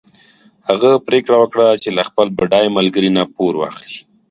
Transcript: هغه پرېکړه وکړه چې له خپل بډای ملګري نه پور واخلي.